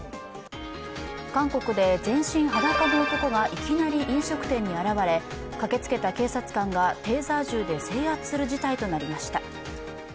韓国で全身裸の男がいきなり飲食店に現れ駆けつけた警察官がテーザー銃で制圧する事態となりました。